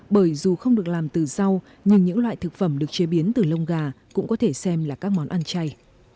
bởi dù không được làm từ rau nhưng những loại thực phẩm được chế biến từ lông gà cũng có thể xem là các món ăn chay